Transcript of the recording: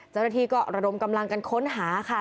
เจ้าหน้าที่ก็ระดมกำลังกันค้นหาค่ะ